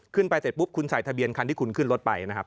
เสร็จปุ๊บคุณใส่ทะเบียนคันที่คุณขึ้นรถไปนะครับ